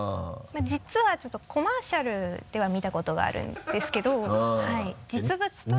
実はちょっとコマーシャルでは見たことがあるんですけど実物というのは。